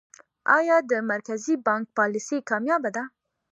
آیا د مرکزي بانک پالیسي کامیابه ده؟